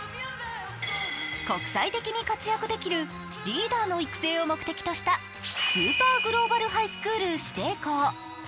国際的に活躍できるリーダーの育成を目的としたスーパーグローバルハイスクール指定校。